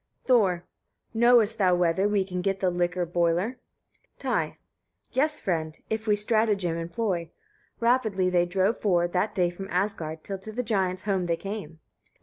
Thor. 6. "Knowest thou whether we can get the liquor boiler?" Ty. "Yes, friend! if we stratagem' employ." Rapidly they drove forward that day from Asgard, till to the giant's home they came.